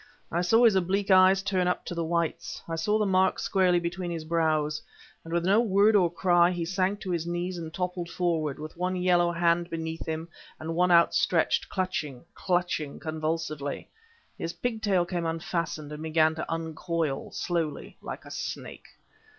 I saw his oblique eyes turn up to the whites; I saw the mark squarely between his brows; and with no word nor cry he sank to his knees and toppled forward with one yellow hand beneath him and one outstretched, clutching clutching convulsively. His pigtail came unfastened and began to uncoil, slowly, like a snake.